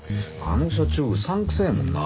あの社長うさんくせえもんな。